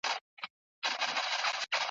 پر پخواني حالت نوره هم زیاته کړي `